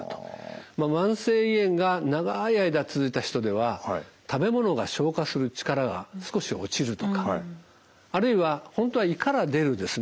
慢性胃炎が長い間続いた人では食べ物が消化する力が少し落ちるとかあるいは本当は胃から出るですね